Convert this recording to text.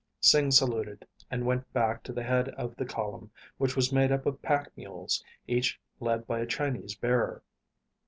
Sing saluted and went back to the head of the column, which was made up of pack mules, each led by a Chinese bearer.